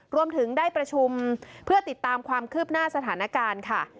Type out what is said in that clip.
รวมถึงได้ประชุมเพื่อติดตามความคืบหน้าสถานการณ์ค่ะ